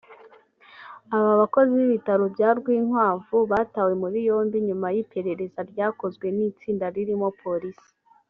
Aba bakozi b’ibitaro bya Rwinkwavu batawe muri yombi nyuma y’iperereza ryakozwe n’itsinda ririmo polisi